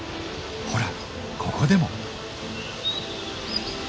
ほらここでも。